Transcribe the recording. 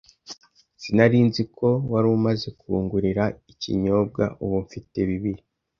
Sinari nzi ko wari umaze kungurira ikinyobwa. Ubu mfite bibiri.